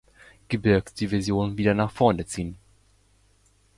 Gebirgsdivision wieder nach vorne ziehen.